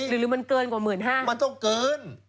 หรือมันเกินกว่า๑๕๐๐บาทมันต้องเกิน